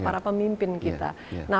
para pemimpin kita